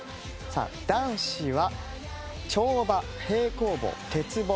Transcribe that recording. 男子は跳馬、平行棒、鉄棒。